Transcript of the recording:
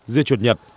dưa chuột nhật